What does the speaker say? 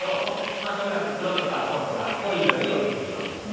まあとにかく黒とか紺とか濃い色に寄ってくるという事ですね。